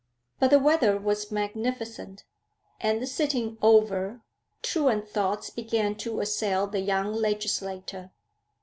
But the weather was magnificent, and, the sitting over, truant thoughts began to assail the young legislator.